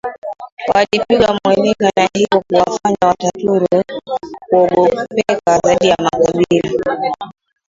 walipigwa mweleka na hivyo kuwafanya Wataturu kuogopeka zaidi na Makabila